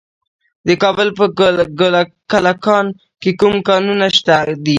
د کابل په کلکان کې کوم کانونه دي؟